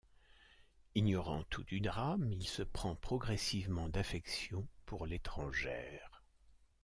Ignorant tout du drame, il se prend progressivement d’affection pour l’étrangère.